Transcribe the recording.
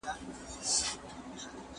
¬ رضا ئې که، ملا ئې ور ماته که.